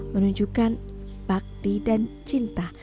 menunjukkan bakti dan cinta